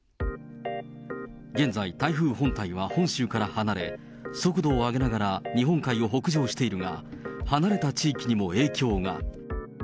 現在、台風本体は本州から離れ、速度を上げながら日本海を北上しているが、離れた地域にも影響が。